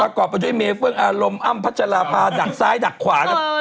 ประกอบไปด้วยเมฟิล์งอารมณ์อ่ำพัชรพาดักซ้ายดักขวา